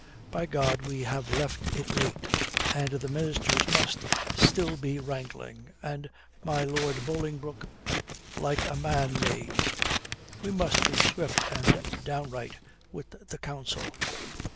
By God, we have left it late. And the ministers must still be wrangling, and my Lord Bolingbroke like a man mazed. We must be swift and downright with the Council."